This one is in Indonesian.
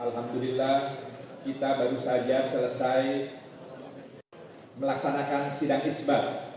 alhamdulillah kita baru saja selesai melaksanakan sidang isbat